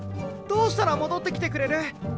どうしたら戻ってきてくれる？